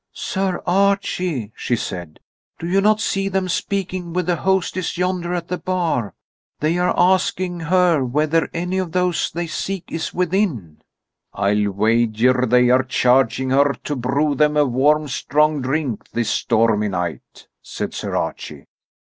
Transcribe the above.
"Sir Archie," she said, "do you not see them speaking with the hostess yonder at the bar? They are asking her whether any of those they seek is within." "I'll wager they are charging her to brew them a warm, strong drink this stormy night," said Sir Archie.